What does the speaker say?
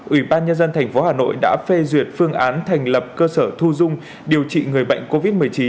ủy ban nhân dân tp hà nội đã phê duyệt phương án thành lập cơ sở thu dung điều trị người bệnh covid một mươi chín